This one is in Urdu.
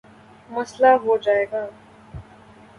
مسلہ ہو جائے گا